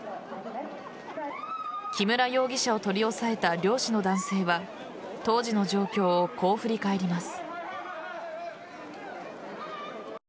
木村容疑者を取り押さえた漁師の男性は当時の状況をこう振り返ります。